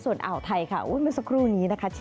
ส่วนอาวุธไทยค่ะโอ้มันสักครู่นี้นะคะ